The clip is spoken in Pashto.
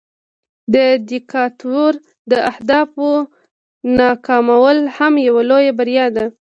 د دیکتاتور د اهدافو ناکامول هم یوه لویه بریا ده.